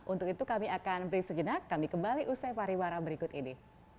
untuk itu kami akan beri sejenak kami kembali usai pariwara berikut ini